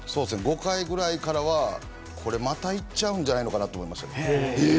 ５回ぐらいからはまたいっちゃうんじゃないのかなと思いました。